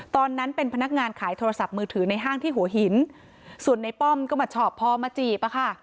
ตอนนั้นเป็นพนักงานขายโทรศัพท์มือถือในห้างที่หัวหินส่วนในป้อมก็มาชอบพอมาจีบอะค่ะ